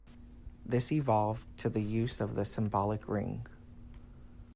This evolved to the use of the symbolic ring.